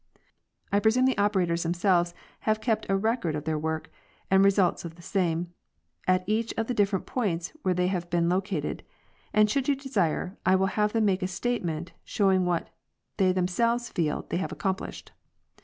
' I presume the operators themselves have kept a record of their work, and results of same, at each of the different points where they have been located, and should you desire I will have them make a statement show ing what they themselves feel they have accomplished.